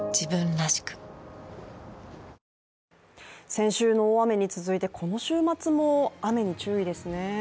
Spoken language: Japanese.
先週の大雨に続いてこの週末も雨に注意ですね。